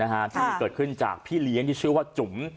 ที่เกิดขึ้นจากพี่เลี้ยงที่ชื่อว่าจุ๋ม